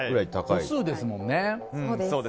個数ですもんね。